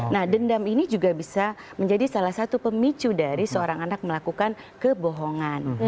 nah dendam ini juga bisa menjadi salah satu pemicu dari seorang anak melakukan kebohongan